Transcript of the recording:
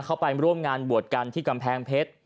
ไปร่วมงานบวชกันที่กำแพงเพชร